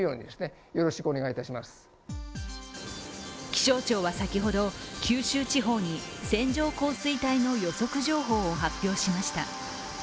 気象庁は先ほど、九州地方に線状降水帯の予測情報を発表しました。